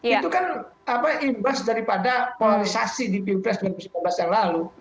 itu kan imbas daripada polarisasi di pilpres dua ribu sembilan belas yang lalu